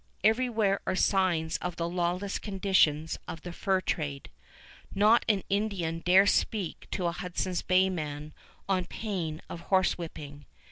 Everywhere are signs of the lawless conditions of the fur trade. Not an Indian dare speak to a Hudson's Bay man on pain of horsewhipping.